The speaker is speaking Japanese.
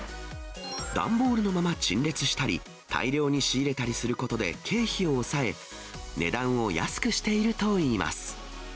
段ボールのまま陳列したり、大量に仕入れたりすることで経費を抑え、値段を安くしているといいます。